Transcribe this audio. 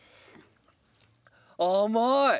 甘い！